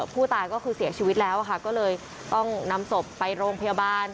ผู้ตายก็คือเสียชีวิตแล้วค่ะก็เลยต้องนำศพไปโรงพยาบาล